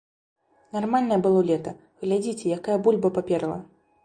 Нармальнае было лета, глядзіце, якая бульба паперла!